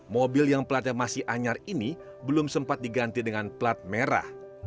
mobil yang platnya masih anyar ini belum sempat diganti dengan plat merah